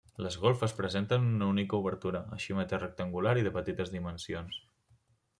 Les golfes presenten una única obertura, així mateix rectangular i de petites dimensions.